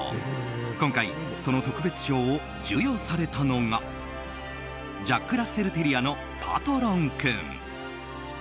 今回、その特別賞を授与されたのがジャック・ラッセル・テリアのパトロン君。